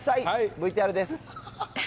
ＶＴＲです。